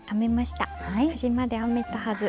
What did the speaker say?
端まで編めたはず。